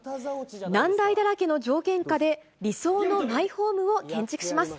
難題だらけの条件下で理想のマイホームを建築します。